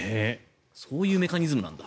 そういうメカニズムなんだ。